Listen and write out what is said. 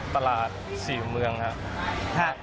ตลาดสี่มุมเมืองครับ